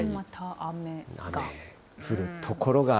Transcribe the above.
降る所が。